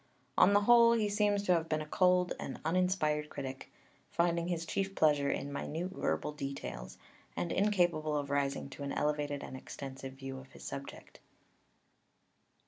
_) On the whole, he seems to have been a cold and uninspired critic, finding his chief pleasure in minute verbal details, and incapable of rising to an elevated and extensive view of his subject.